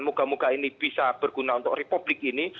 moga moga ini bisa berguna untuk republik ini